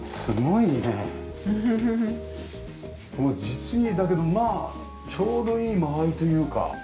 実にだけどまあちょうどいい周りというか。